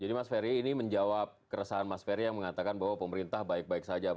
jadi mas ferry ini menjawab keresahan mas ferry yang mengatakan bahwa pemerintah baik baik saja